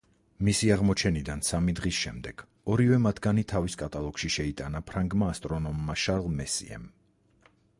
მისი აღმოჩენიდან სამი დღის შემდეგ, ორივე მათგანი თავის კატალოგში შეიტანა ფრანგმა ასტრონომმა შარლ მესიემ.